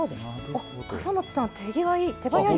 笠松さん、手際いい。